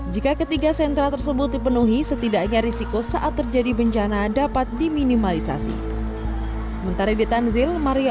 jika ketiga sentra tersebut dipenuhi setidaknya risiko saat terjadi bencana dapat diminimalisasi